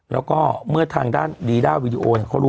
แล้วก็เมื่อทางด้านดีดาววิดีโอเนี่ย